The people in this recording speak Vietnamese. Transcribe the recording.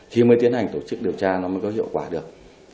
thì mới tiến hành tổ chức điều tra nó mới có hiệu quả được